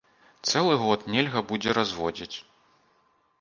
Цэлы год нельга будзе разводзіць.